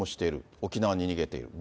沖縄に逃げている。